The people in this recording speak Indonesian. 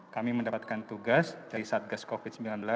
kami mendapatkan tugas dari satgas covid sembilan belas